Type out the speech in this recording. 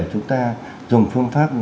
chúng ta dùng phương pháp